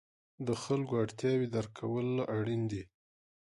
د خلکو اړتیاوې درک کول اړین دي.